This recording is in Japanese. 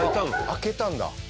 開けたんだ。